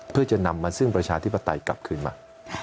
เพื่อจะนำมาซึ่งประชาธิปไตยกลับคืนมา